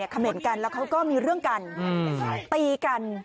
เขม่นกันแล้วเขาก็มีเรื่องกันตีกัน